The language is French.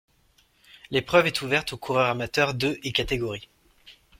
L'épreuve est ouverte aux coureurs amateurs de et catégories.